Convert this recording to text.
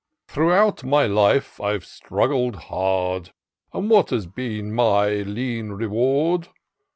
Throughout my life I Ve struggled hard ; And what has been my lean reward